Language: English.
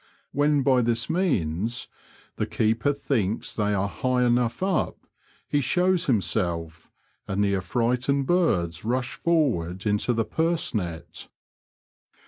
When by this means the keeper thinks they are high enough up, he shows himself, and the affrighted birds rush forward into the purse net.